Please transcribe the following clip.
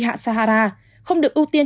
hạ sahara không được ưu tiên